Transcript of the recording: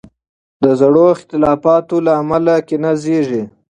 د زړو اختلافاتو له امله کینه زیږیږي.